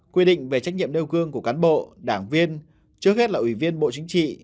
quy định về trách nhiệm nêu gương của cán bộ đảng viên trước hết là ủy viên bộ chính trị